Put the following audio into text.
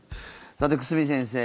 さて、久住先生